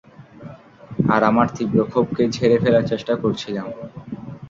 আর আমার তীব্র ক্ষোভকে ঝেড়ে ফেলার চেষ্টা করছিলাম।